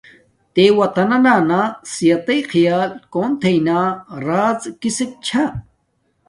تے وطانانا صحتݷ خیال کون تھینا راز کسک چھا۔